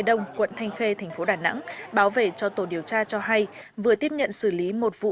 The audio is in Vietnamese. đông quận thanh khê thành phố đà nẵng báo về cho tổ điều tra cho hay vừa tiếp nhận xử lý một vụ